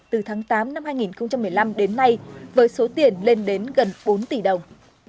từ tháng tám năm hai nghìn một mươi năm đến nay với số tiền lên đến gần bốn tỷ đồng